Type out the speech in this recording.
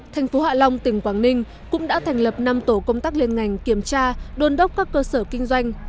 thành phố hạ long tỉnh quảng ninh cũng đã thành lập năm tổ công tác liên ngành kiểm tra đôn đốc các cơ sở kinh doanh